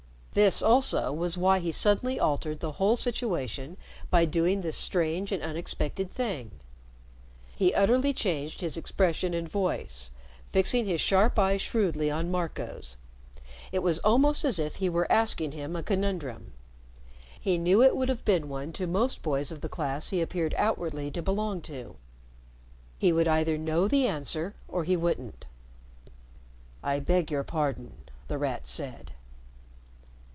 This, also, was why he suddenly altered the whole situation by doing this strange and unexpected thing. He utterly changed his expression and voice, fixing his sharp eyes shrewdly on Marco's. It was almost as if he were asking him a conundrum. He knew it would have been one to most boys of the class he appeared outwardly to belong to. He would either know the answer or he wouldn't. "I beg your pardon," The Rat said.